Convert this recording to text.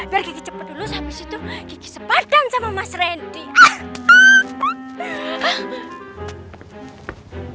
pergi ke cepet dulu habis itu gigi sepadan sama mas randy